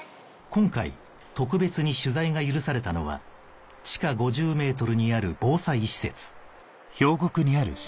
今回特別に取材が許されたのは地下５０ｍにある防災施設